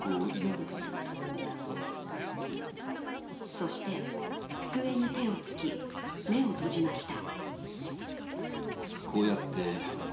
そして、机に手をつき目を閉じました。